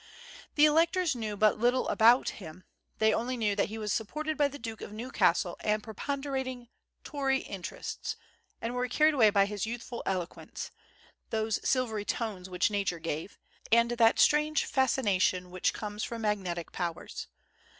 The electors knew but little about him; they only knew that he was supported by the Duke of Newcastle and preponderating Tory interests, and were carried away by his youthful eloquence those silvery tones which nature gave and that strange fascination which comes from magnetic powers.